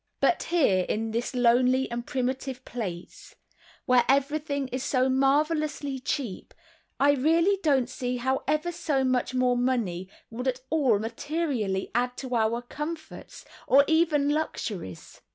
But here, in this lonely and primitive place, where everything is so marvelously cheap, I really don't see how ever so much more money would at all materially add to our comforts, or even luxuries.